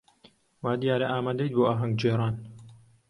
وا دیارە ئامادەیت بۆ ئاهەنگگێڕان.